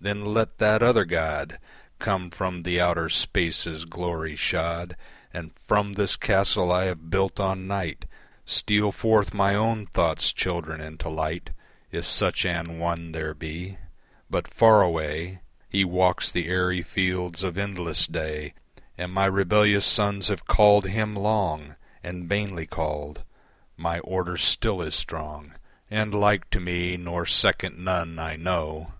Then let that other God Come from the outer spaces glory shod, And from this castle I have built on Night Steal forth my own thought's children into light, If such an one there be. But far away He walks the airy fields of endless day, And my rebellious sons have called Him long And vainly called. My order still is strong And like to me nor second none I know.